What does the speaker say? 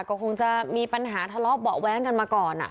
ก็คงจะมีปัญหาทะเลาะเบาะแว้งกันมาก่อน